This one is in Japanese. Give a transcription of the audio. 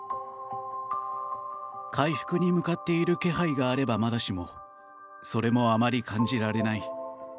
回復に向かっている気配があるならまだしもそれもあまり感じられない。